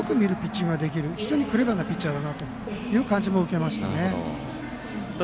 相手をよく見るピッチングできる非常にクレバーなピッチャーだなという印象も受けました。